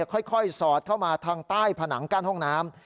ค่อยสอดเข้ามาทางใต้ผนังกั้นห้องน้ำ